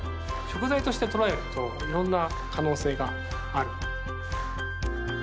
食材としてとらえるといろんな可能性がある。